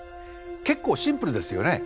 結構シンプルですよね。